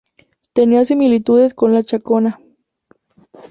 Tenía similitudes con la chacona.